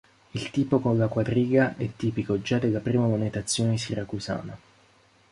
Il tipo con la quadriga è tipico già della prima monetazione siracusana.